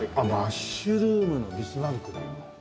マッシュルームのビスマルク。